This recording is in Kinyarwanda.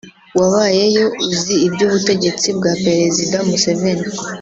wabayeyo uzi iby’ubutegetsi bwa Perezida Museveni